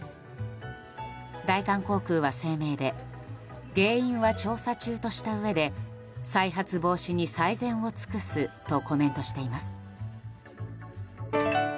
大韓航空は声明で原因は調査中としたうえで再発防止に最善を尽くすとコメントしています。